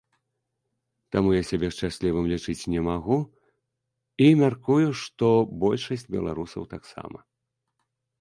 Таму я сябе шчаслівым лічыць не магу і мяркую, што большасць беларусаў таксама.